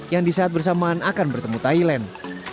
yang di saat bersamaan akan bertemu thailand